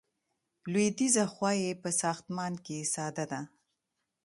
لویدیځه خوا یې په ساختمان کې ساده ده.